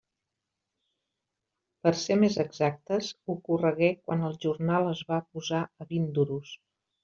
Per ser més exactes, ocorregué quan el jornal es va posar a vint duros.